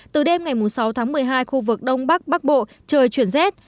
từ đêm ngày sáu tháng một mươi hai khu vực đông bắc bắc bộ trời chuyển rét